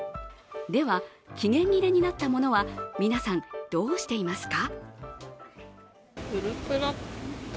では、期限切れになったものは皆さん、どうしていますか？